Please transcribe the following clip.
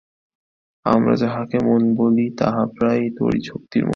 আমরা যাহাকে মন বলি, তাহা প্রায় তড়িৎশক্তির মত।